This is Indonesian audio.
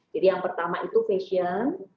jadi yang pertama itu fashion kemudian yang kedua homewear